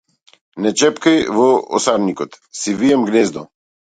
Не чепкај во осарникот, си вијам гнездо!